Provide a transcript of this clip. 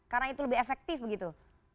karena itu lebih efektif begitu